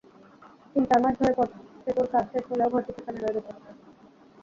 তিন-চার মাস ধরে পদসেতুর কাজ শেষ হলেও ঘরটি সেখানে রয়ে গেছে।